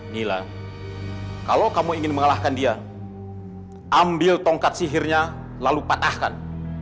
mila kalau kamu ingin mengalahkan dia ambil tongkat sihirnya lalu patahkan